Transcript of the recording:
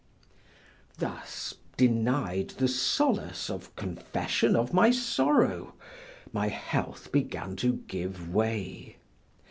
Thus, denied the solace of confession of my sorrow, my health began to give way.